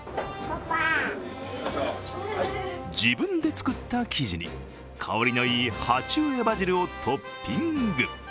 自分で作った生地に香りのいい鉢植えのバジルをトッピング。